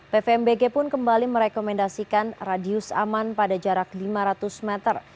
pvmbg pun kembali merekomendasikan radius aman pada jarak lima ratus meter